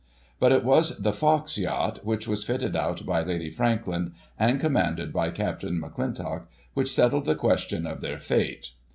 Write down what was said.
But it was the Fox yacht, which was fitted out by Lady Franklin, and commanded by Capt. McClintock, which settled the question of their fate.